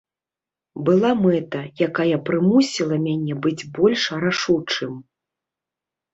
Была мэта, якая прымусіла мяне быць больш рашучым.